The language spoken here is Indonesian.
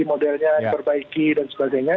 modelnya diperbaiki dan sebagainya